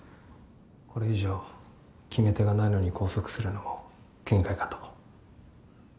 これ以上決め手がないのに拘束するのも限界かと。